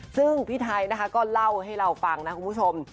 ซึ่งพี่ไทยนะคะก็เล่าให้เราฟังนะคุณผู้ชม